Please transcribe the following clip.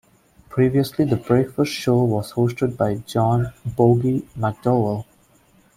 Previously the breakfast show was hosted by John "Boggy" McDowell.